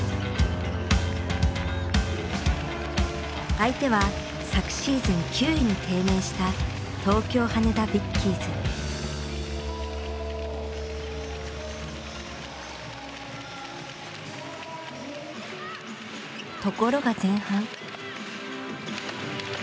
相手は昨シーズン９位に低迷したところが前半。